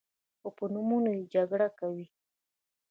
خو په نومونو جګړه کوي.